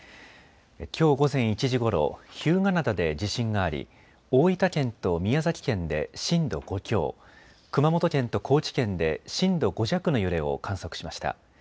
きょう午前１時ごろ、日向灘で地震があり大分県と宮崎県で震度５強、熊本県と高知県で震度５弱の揺れを観測しました。